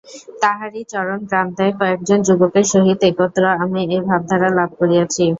তাঁহারই চরণপ্রান্তে কয়েকজন যুবকের সহিত একত্র আমি এই ভাবধারা লাভ করিয়াছি।